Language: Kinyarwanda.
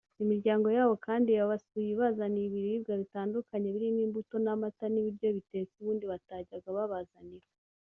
Imiryango yabo kandi yabasuye ibazanira ibiribwa bitandukanye birimo imbuto n’amata n’ibiryo bitetse ubundi batajyaba babazanira